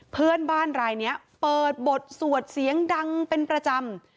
เพื่อนบ้านรายนี้เปิดบทสวดเสียงดังเป็นประจำ